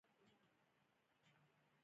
جانداد د ښو اخلاقو خزانه ده.